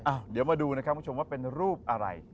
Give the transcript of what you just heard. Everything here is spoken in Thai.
เดี๋ยวมาดูนะครับคุณผู้ชมว่าเป็นรูปอะไร